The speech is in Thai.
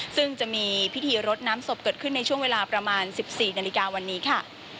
ซึ่งจะมีพิธีรดน้ำศพเกิดขึ้นในช่วงเวลาประมาณ๑๔นาฬิกาวันนี้ค่ะ